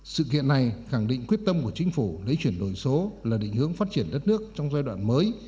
sự kiện này khẳng định quyết tâm của chính phủ lấy chuyển đổi số là định hướng phát triển đất nước trong giai đoạn mới